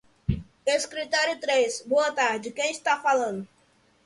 Escritório três, boa tarde. Quem está falando?